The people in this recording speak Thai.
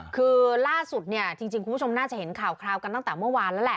คือล่าสุดเนี่ยจริงคุณผู้ชมน่าจะเห็นข่าวคราวกันตั้งแต่เมื่อวานแล้วแหละ